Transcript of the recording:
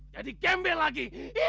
jadi kembel lagi